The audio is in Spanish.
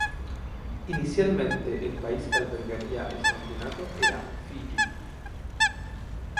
Inicialmente el país que albergaría el campeonato era Fiyi.